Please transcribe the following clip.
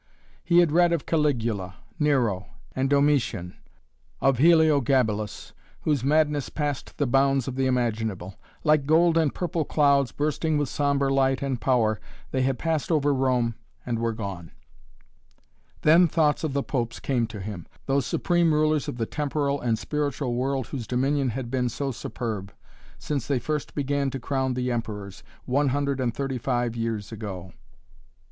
He had read of Caligula, Nero, and Domitian, of Heliogabalus, whose madness passed the bounds of the imaginable. Like gold and purple clouds, bursting with sombre light and power, they had passed over Rome and were gone. Then thoughts of the popes came to him, those supreme rulers of the temporal and spiritual world whose dominion had been so superb, since they first began to crown the emperors, one hundred and thirty five years ago.